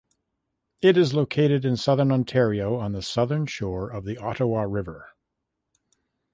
It is located in Southern Ontario on the southern shore of the Ottawa River.